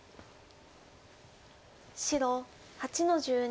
白８の十二。